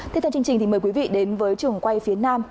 tiếp theo chương trình thì mời quý vị đến với trường quay phía nam